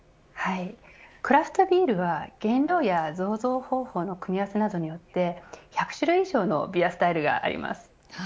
クラフトビールは原料や醸造方法の組み合わせなどによって１００種類以上のビアスタイルがあります。